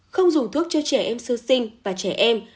không dùng thuốc cho trẻ em sơ sinh và trẻ em